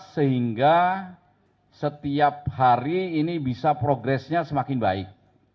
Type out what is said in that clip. sehingga setiap hari ini bisa progresnya semakin baik